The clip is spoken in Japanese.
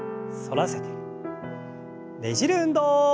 ねじる運動。